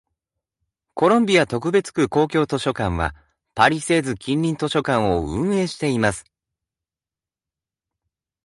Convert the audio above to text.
コロンビア特別区公共図書館は、パリセーズ近隣図書館を運営しています。